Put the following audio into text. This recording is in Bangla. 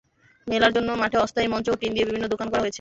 মেলার জন্য মাঠে অস্থায়ী মঞ্চ এবং টিন দিয়ে বিভিন্ন দোকান করা হয়েছে।